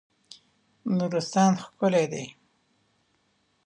نورستان ښکلی دی.